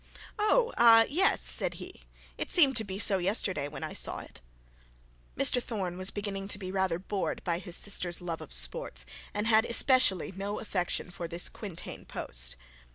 'Oh, ah; yes;' said he. 'It seemed to be so yesterday when I saw it.' Mr Thorne was beginning to be rather bored by his sister's love of sports, and had especially no affection for this quintain post.